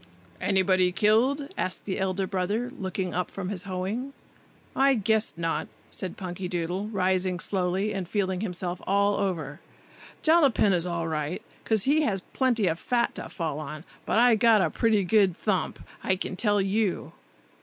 "Anybody killed?" asked the elder brother, looking up from his hoeing. "I—guess—not!" said Punkydoodle, rising slowly and feeling himself all over. "Jollapin is all right, 'cause he has plenty of fat to fall on, but I got a pretty good thump, I can tell you."